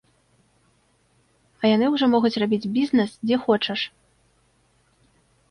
А яны ўжо могуць рабіць бізнес, дзе хочаш.